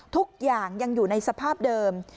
ทุกอย่างยังอยู่ในสภาพเดิม